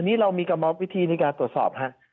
นี่เรามีกรรมวิธีในการตรวจสอบฮะ